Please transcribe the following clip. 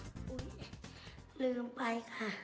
อุ๊ยลืมไปค่ะ